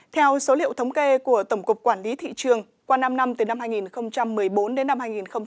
theo số liệu thống kê của tổng cục quản lý thị trường qua năm năm từ năm hai nghìn một mươi bốn đến năm hai nghìn một mươi tám